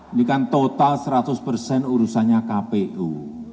ini kan total seratus persen urusannya kpu